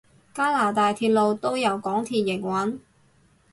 加拿大鐵路都由港鐵營運？